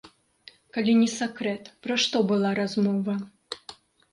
Калі не сакрэт, пра што была размова?